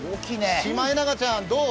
シマエナガちゃん、どう？